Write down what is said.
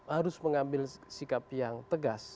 harus mengambil sikap yang tegas